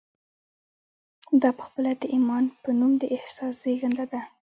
دا پخپله د ايمان په نوم د احساس زېږنده ده.